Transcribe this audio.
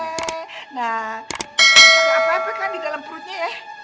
nah ada apa apa kan di dalam perutnya ya